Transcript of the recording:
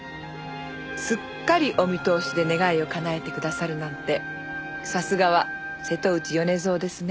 すっかりお見通しで願いをかなえてくださるなんてさすがは瀬戸内米蔵ですね。